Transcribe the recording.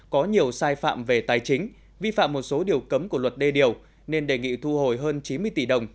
có nhiều sai phạm về tài chính vi phạm một số điều cấm của luật đê điều nên đề nghị thu hồi hơn chín mươi tỷ đồng